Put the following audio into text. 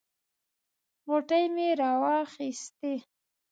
غوټې مې راواخیستې.